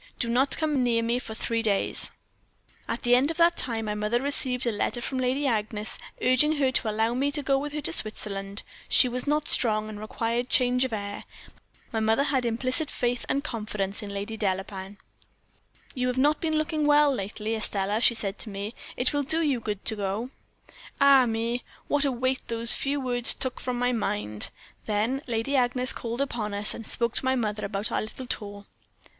Do not come near me for three days.' "At the end of that time my mother received a letter from Lady Agnes, urging her to allow me to go with her to Switzerland; she was not strong, and required change of air. My mother had implicit faith and confidence in Lady Delapain. "'You have not been looking well lately, Estelle,' she said to me; 'it will do you good to go.' "Ah, me! what a weight those few words took from my mind. Then Lady Agnes called upon us, and spoke to my mother about our little tour.